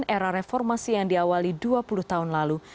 era reformasi yang diawali dua puluh tahun lalu